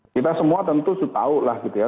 kita semua tentu tahu lah gitu ya